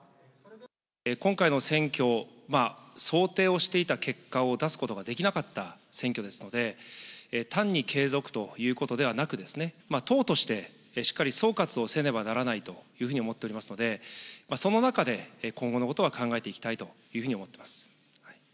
今回の選挙、まあ想定をしていた結果を出すことができなかった選挙ですので、単に継続ということではなく、党としてしっかり総括をせねばならないと思っておりますので、その中で今後のことは考えていきたいというふうに思っています。